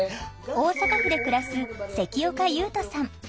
大阪府で暮らす関岡勇人さん。